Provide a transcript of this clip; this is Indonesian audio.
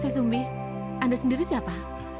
si sumbi anda sendiri siapa